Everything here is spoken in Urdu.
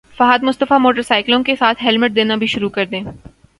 فہد مصطفی موٹر سائیکلوں کے ساتھ ہیلمٹ دینا بھی شروع کردیں